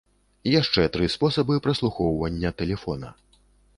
Яшчэ тры спосабы праслухоўвання тэлефона.